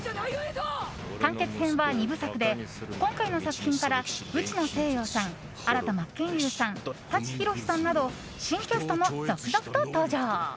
完結編は２部作で今回の作品から内野聖陽さん、新田真剣佑さん舘ひろしさんなど新キャストも続々と登場。